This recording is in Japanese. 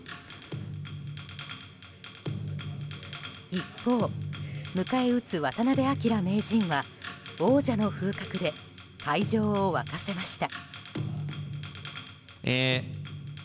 一方、迎え撃つ渡辺明名人は王者の風格で会場を沸かせました。